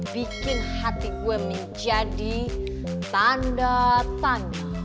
bikin hati gue menjadi tanda tangan